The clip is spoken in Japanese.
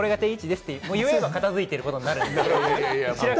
言えば片付いていることになるんで。